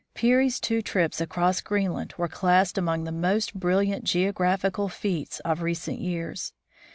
Peary's two trips across Greenland are classed among the most brilliant geographical feats of recent years.